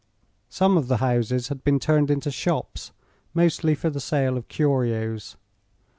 Some of the houses had been turned into shops, mostly for the sale of curios.